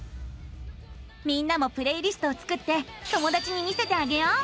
みんなもプレイリストを作って友だちに見せてあげよう。